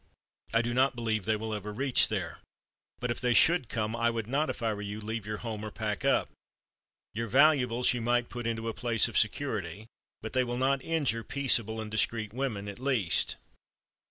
I do not believe they will ever reach there, but if they should come I would not, if I were you, leave your home or pack up. Your valuables you might put into a place of security, but they will not injure peaceable and discreet women at least."